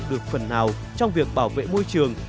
được phần nào trong việc bảo vệ môi trường